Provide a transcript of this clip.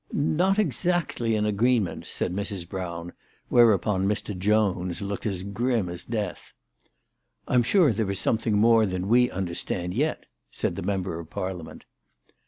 " Not exactly an agreement," said Mrs. Brown ; whereupon Mr. Jones looked as grim as death. " I'm sure there is something more than we under stand yet," said the Member of Parliament.